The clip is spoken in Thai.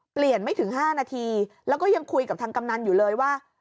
ไม่ถึง๕นาทีแล้วก็ยังคุยกับทางกำนันอยู่เลยว่า